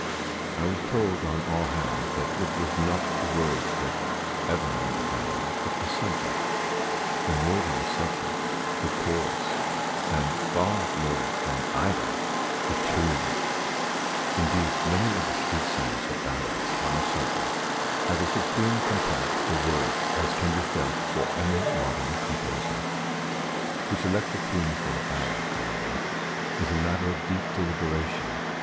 I was told, on all hands, that it was not the words that ever made a ballad, but the subject, and, more than the subject, the chorus; and, far more than either, the tune! Indeed, many of the street singers of ballads on a subject, have as supreme a contempt for words as can be felt for any modern composer. To select a tune for a ballad, however, is a matter of deep deliberation.